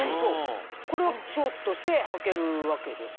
これはショーツとしてはけるわけですか？